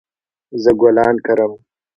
زه ګلان کرم